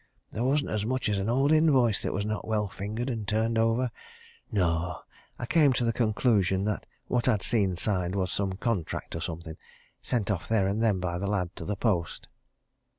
There wasn't as much as an old invoice that was not well fingered and turned over. No! I came to the conclusion that what I'd seen signed was some contract or something sent off there and then by the lad to post."